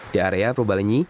di area probalenyi